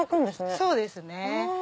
そうですね。